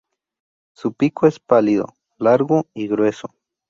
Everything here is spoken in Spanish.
Su pico es pálido, largo y grueso.